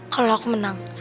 kalau aku menang